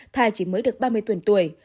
thai chỉ mới được ba mươi tuần tuổi